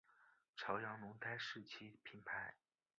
朝阳轮胎是其品牌。